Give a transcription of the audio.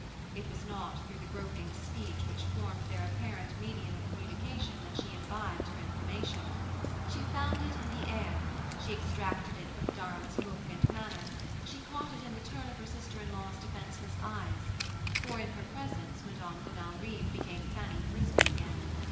It was not through the groping speech which formed their apparent medium of communication that she imbibed her information: she found it in the air, she extracted it from Durham's look and manner, she caught it in the turn of her sister in law's defenseless eyes for in her presence Madame de Malrive became Fanny Frisbee again!